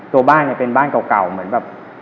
ตัวบ้านเนี่ยเป็นบ้านเก่าเหมือนแบบ